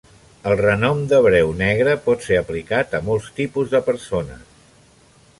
El renom d'hebreu negre pot ser aplicat a molts tipus de persones.